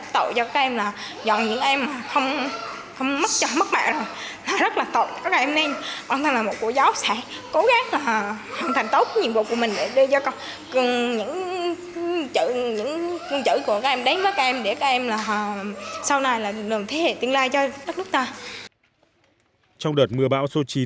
trong đợt mưa bão số chín